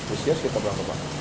usia sekitar berapa pak